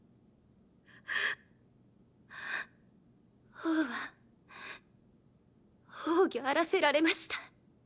王は崩御あらせられました。